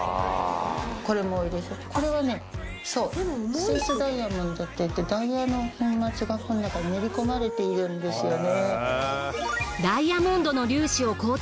スイスダイヤモンドっていってダイヤの粉末がこの中に練り込まれているんですよね。